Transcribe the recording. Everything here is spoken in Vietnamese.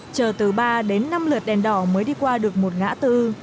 chờ từ ba đến năm lượt đèn đỏ mới đi qua được một ngã tư